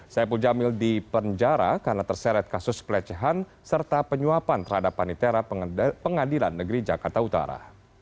saipul jamil dipenjara karena terseret kasus pelecehan serta penyuapan terhadap panitera pengadilan negeri jakarta utara